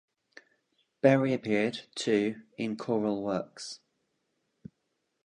Berry appeared, too, in choral works.